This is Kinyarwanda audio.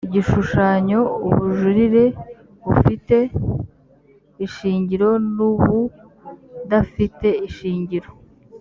igishushanyo ubujurire bufite ishingiro n ubudafite ishingiro